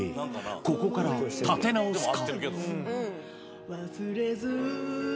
ここから立て直すか？